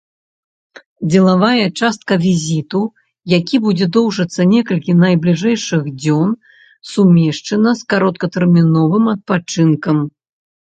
Дзелавая частка візіту, які будзе доўжыцца некалькі найбліжэйшых дзён, сумешчана з кароткатэрміновым адпачынкам.